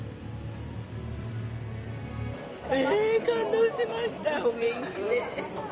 ええ、感動しました、お元気で。